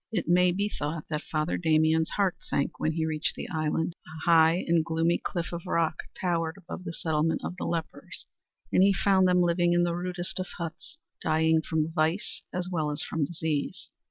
It may be thought that Father Damien's heart sank when he reached the island. A high and gloomy cliff of rock towered above the settlement of the lepers, and he found them living in the rudest of huts, dying from vice as well as from disease.